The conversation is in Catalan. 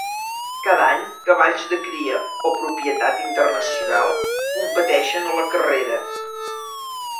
Cada any, cavalls de cria o propietat internacional competeixen a la carrera.